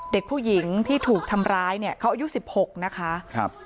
เด็กผู้หญิงที่ถูกทำร้ายเนี่ยเขาอายุ๑๖นะคะครับ